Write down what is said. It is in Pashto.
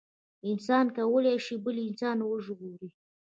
انسان کولي شي بل انسان وژغوري